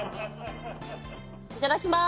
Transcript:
いただきます。